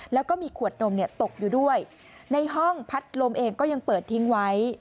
แล้วก็มีขวดนมตกอยู่ด้วยในห้องพัดลมเองก็ยังเปิดทิ้งไว้